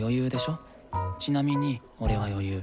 ちなみに俺は余裕。